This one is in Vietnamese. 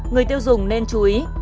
người tiêu dùng nên chú ý